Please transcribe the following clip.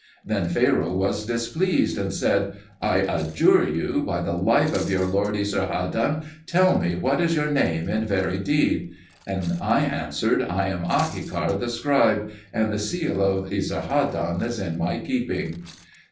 Then Pharaoh was displeased and said, "I adjure you by the life of your lord Esarhaddon, tell me, what is your name, in very deed?" I answered, "I am Ahikar the scribe, and the seal of Esarhaddon is in my keeping."